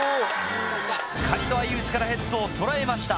しっかりと相打ちからヘッドを捉えました。